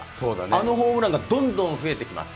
あのホームランがどんどん増えてきます。